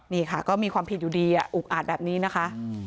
นี่ค่ะก็มีความผิดอยู่ดีอุกอาจแบบนี้นะคะ